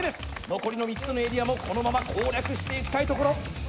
残りの３つのエリアもこのまま攻略していきたいところ。